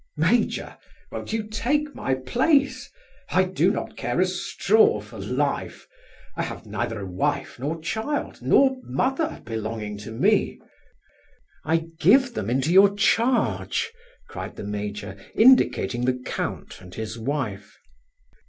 "Major, won't you take my place? I do not care a straw for life; I have neither a wife, nor child, nor mother belonging to me " "I give them into your charge," cried the major, indicating the Count and his wife.